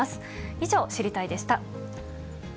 以上、知りたいッ！でした。